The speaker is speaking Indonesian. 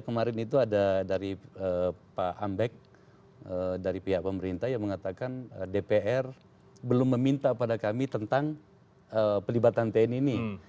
kemarin itu ada dari pak ambek dari pihak pemerintah yang mengatakan dpr belum meminta pada kami tentang pelibatan tni ini